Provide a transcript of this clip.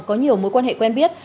có nhiều mối quan hệ quen biết